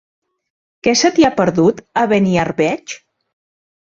Què se t'hi ha perdut, a Beniarbeig?